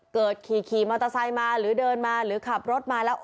ขี่มอเตอร์ไซค์มาหรือเดินมาหรือขับรถมาแล้ว